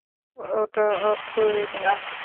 ওটা অফ করে দাও।